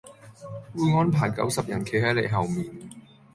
會安排九十人企喺你後面